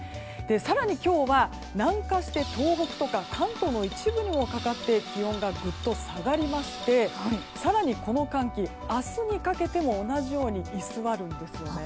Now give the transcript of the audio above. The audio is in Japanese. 更に今日は、南下して東北とか関東の一部にもかかって気温がぐっと下がりまして更に、この寒気、明日にかけても同じように居座るんですよね。